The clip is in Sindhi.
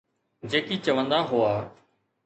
جيڪي چوندا هئا